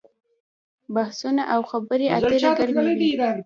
بحثونه او خبرې اترې ګرمې وي.